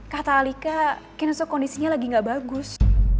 kata alika kita kondisinya lagi gak bagus